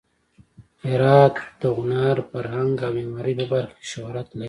هرات د هنر، فرهنګ او معمارۍ په برخه کې شهرت لري.